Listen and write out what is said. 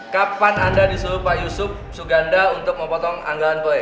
kapan anda disuruh pak yusuf suganda untuk memotong anggaran proyek